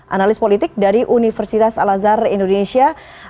analis politik dari universitas al azhar indonesia